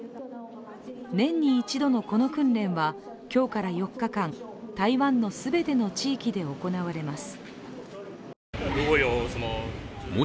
年に一度のこの訓練は今日から４日間台湾の全ての地域で行われます。